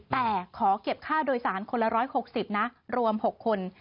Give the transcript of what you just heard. แต่ขอเก็บค่าโดยสารคนละร้อยหกสิบนะรวมหกคน